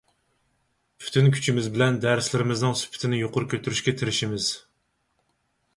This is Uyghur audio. پۈتۈن كۈچىمىز بىلەن دەرسلىرىمىزنىڭ سۈپىتىنى يۇقىرى كۆتۈرۈشكە تىرىشىمىز.